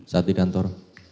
saat di kantor